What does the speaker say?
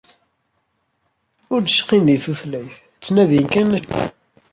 Ur d-cqin deg tutlayt, ttnadin kan acu ara ččen.